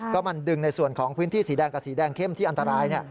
ก็มันดึงในส่วนของพื้นที่สีแดงกับสีแดงเข้มที่อันตราย